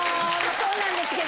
そうなんですけど。